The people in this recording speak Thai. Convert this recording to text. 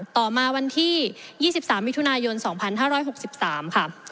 ต่อมาวันที่๒๓มิถุนายน๒๕๖๓ค่ะ